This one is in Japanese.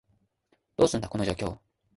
どうすんだ、この状況？